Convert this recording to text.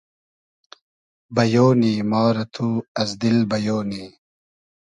بئیۉ نی ما رۂ تو از دیل بئیۉ نی